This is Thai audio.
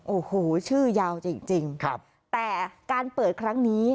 โอ้โหชื่อยาวจริงแต่การเปิดครั้งนี้